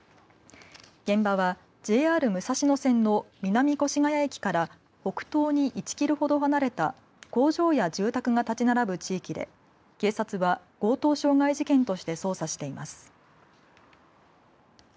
現場はＪＲ武蔵野線の南越谷駅から北東に１キロほど離れた工場や住宅が立ち並ぶ地域で警察は強盗傷害事件として捜査しています。